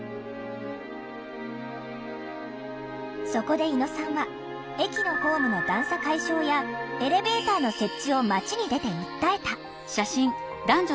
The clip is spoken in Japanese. そこで猪野さんは駅のホームの段差解消やエレベーターの設置を街に出て訴えた。